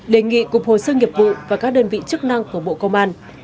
đề nghị cục hồ sơ nghiệp vụ và các đơn vị chức năng của bộ công an